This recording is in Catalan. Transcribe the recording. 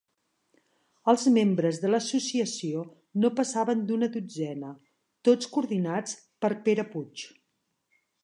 Els membres de l'associació no passaven d'una dotzena, tots coordinats per Pere Puig.